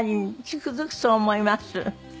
つくづくそう思います。